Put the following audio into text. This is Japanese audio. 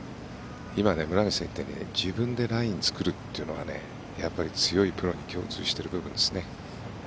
今、村口さんが言ったように自分でラインを作るというのはやっぱり強いプロに共通している部分ですね。